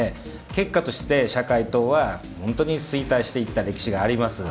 結果として社会党は、本当に衰退していった歴史があります。